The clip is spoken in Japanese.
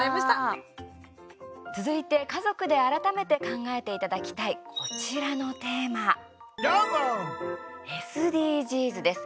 続いて家族で改めて考えていただきたいこちらのテーマ「ＳＤＧｓ」です。